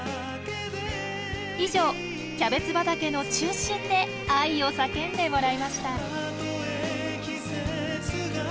以上キャベツ畑の中心で愛を叫んでもらいました。